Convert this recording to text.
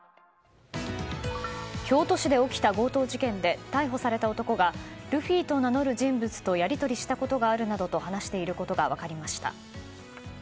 京都市で起きた強盗事件で逮捕された男がルフィと名乗る人物とやり取りしたことがあるなどと話していることが分かりました。